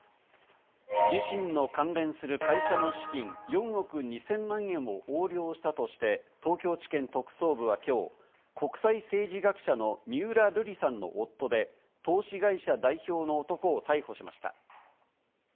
自身の関連する会社の資金４億２０００万円を横領したとして、東京地検特捜部は今日、国際政治学者の三浦瑠麗さんの夫で投資会社代表の男を逮捕しました。